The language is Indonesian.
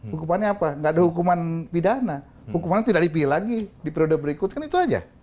hukumannya apa tidak ada hukuman pidana hukumannya tidak dipilih lagi di periode berikut itu saja